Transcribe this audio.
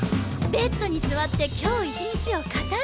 ベッドに座って今日一日を語らい。